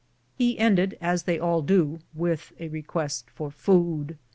He ended, as they all do, with a request for food.